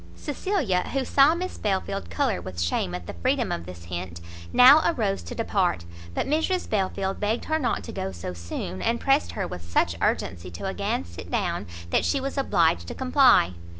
Cecilia, who saw Miss Belfield colour with shame at the freedom of this hint, now arose to depart; but Mrs Belfield begged her not to go so soon, and pressed her with such urgency to again sit down, that she was obliged to comply.